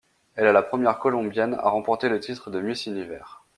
Elle est la première colombienne à remporter le titre de Miss Univers.